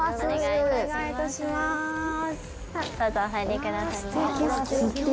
どうぞお入りください。